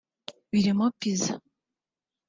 birimo pizza